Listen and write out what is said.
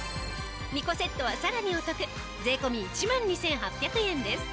２個セットはさらにお得税込１万２８００円です。